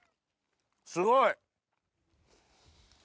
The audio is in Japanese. すごい！